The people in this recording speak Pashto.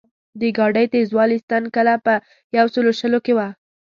د ګاډۍ تېزوالي ستن کله په یو سلو شلو کې وه.